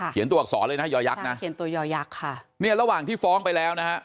ตัวอักษรเลยนะยอยักษ์นะเขียนตัวยอยักษ์ค่ะเนี่ยระหว่างที่ฟ้องไปแล้วนะฮะ